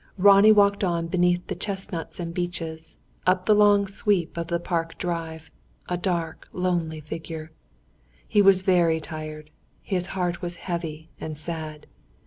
Ronnie walked on beneath the chestnuts and beeches, up the long sweep of the park drive, a dark lonely figure. He was very tired; his heart was heavy and sad.